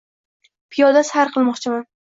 Piyoda sayr qilmoqchiman.